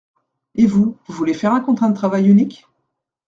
Et vous, vous voulez faire un contrat de travail unique.